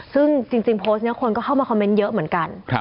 ซึ่งจริงโพสต์นี้คนก็เข้ามาคอมเมนต์เยอะเหมือนกัน